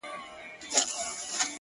او ستا د ښكلي شاعرۍ په خاطر _